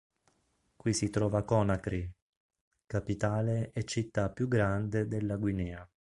Qui si trova Conakry, capitale e città più grande della Guinea.